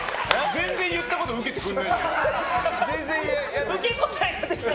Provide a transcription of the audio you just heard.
全然言ったこと受け答えができない。